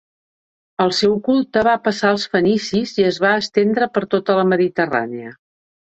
El seu culte va passar als fenicis i es va estendre per tota la Mediterrània.